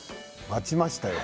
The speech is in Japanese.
待ちましたよ。